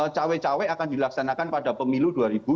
cawe cawe akan dilaksanakan pada pemilu dua ribu dua puluh